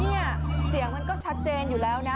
เนี่ยเสียงมันก็ชัดเจนอยู่แล้วนะ